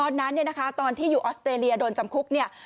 ตอนนั้นเนี่ยนะคะตอนที่อยู่ออสเตรเลียโดนจำคุกเนี่ย